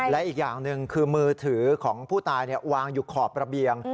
และอีกอย่างหนึ่งคือมือถือของผู้ตายวางอยู่ขอบระเบียง